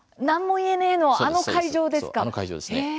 「何も言えねぇ」のあの会場ですか？